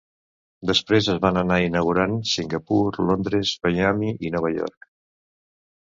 Després es van anar inaugurant Singapur, Londres, Miami i Nova York.